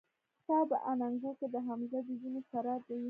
ستا په اننګو کې د حمزه د وينو سره دي